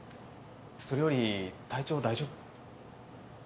それより体調は大丈夫？